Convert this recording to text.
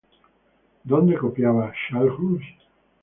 ¿Dónde copiaba Shallus?